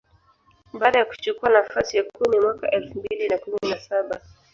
baada ya kuchukua nafasi ya kumi mwaka elfu mbili na kumi na saba